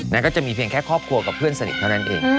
แล้วก็จะมีเพียงแค่ครอบครัวกับเพื่อนสนิทเท่านั้นเอง